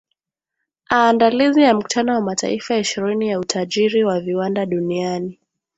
aandalizi ya mkutano wa mataifa ishirini ya utajiri wa viwanda duniani